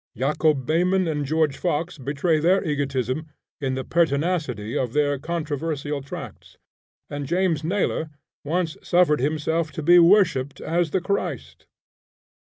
Jacob Behmen and George Fox betray their egotism in the pertinacity of their controversial tracts, and James Naylor once suffered himself to be worshipped as the Christ.